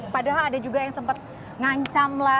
padahal ada juga yang sempat mengancam